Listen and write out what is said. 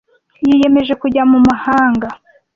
Yiyemeje kujya mu mahanga.